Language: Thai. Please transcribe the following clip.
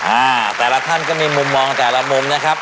อ่าแต่ละท่านก็มีมุมมองแต่ละมุมนะครับ